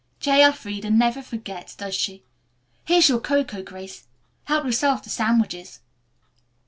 "J. Elfreda never forgets, does she? Here's your cocoa, Grace. Help yourself to sandwiches."